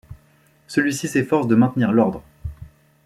Celui-ci s’efforce de maintenir l'ordre.